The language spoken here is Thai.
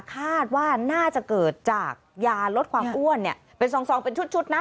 คาดว่าน่าจะเกิดจากยาลดความอ้วนเป็นซองเป็นชุดนะ